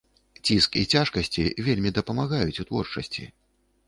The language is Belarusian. Ціск і цяжкасці вельмі дапамагаюць у творчасці.